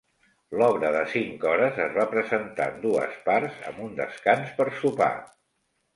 L'obra de cinc hores es va presentar en dues parts amb un descans per sopar.